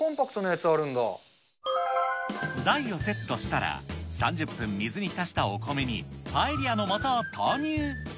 台をセットしたら、３０分水に浸したお米にパエリアのもとを投入。